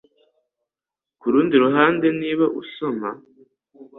Kurundi ruhande niba usoma